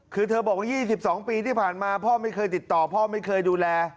คือเธอบอกว่า๒๒ปีที่ผ่านมาพ่อไม่เคยติดต่อพ่อไม่เคยดูแล